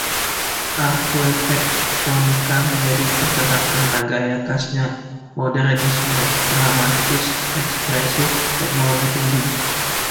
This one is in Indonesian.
Arquitectonica menjadi terkenal karena gaya khasnya: modernisme dramatis, ekspresif "teknologi tinggi".